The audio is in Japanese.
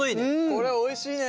これおいしいね！